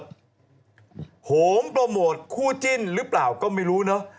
โหมโปรโมทคู่จิ้นหรือเปล่าก็ไม่รู้เนอะ